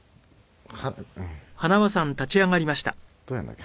どうやるんだっけ。